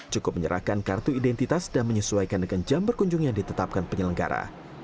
cukup menyerahkan kartu identitas dan menyesuaikan dengan jam berkunjung yang ditetapkan penyelenggara